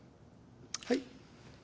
はい。